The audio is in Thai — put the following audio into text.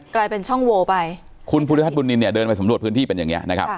กลายเป็นช่องโวไปคุณภูริพัฒนบุญนินเนี่ยเดินไปสำรวจพื้นที่เป็นอย่างนี้นะครับ